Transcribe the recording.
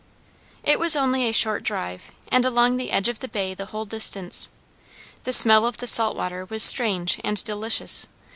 It was only a short drive, and along the edge of the bay the whole distance. The smell of the salt water was strange and delicious.